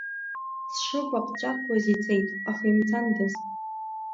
Сшыгәаҟҵәаҟуаз ицеит, аха имцандаз…